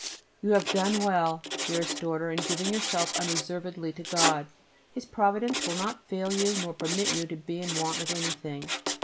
You have done well, dearest daughter, in giving yourself unreservedly to God. His Providence will not fail you nor permit you to be in want of anything.